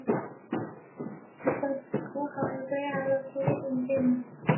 Most of the schools however are located in Finland.